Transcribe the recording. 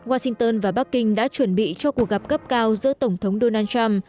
washington và bắc kinh đã chuẩn bị cho cuộc gặp cấp cao giữa tổng thống donald trump